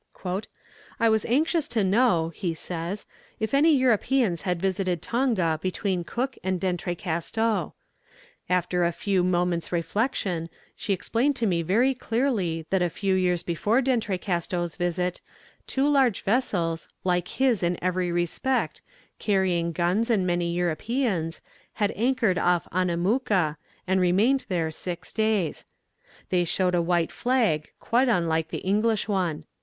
"I was anxious to know," he says, "if any Europeans had visited Tonga between Cook and D'Entrecasteaux. After a few moments' reflection, she explained to me very clearly that a few years before D'Entrecasteaux's visit, two large vessels, like his in every respect, carrying guns and many Europeans, had anchored off Annamooka, and remained there six days. They showed a white flag, quite unlike the English one.